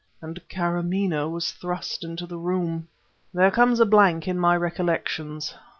and Kâramaneh was thrust into the room! There comes a blank in my recollections.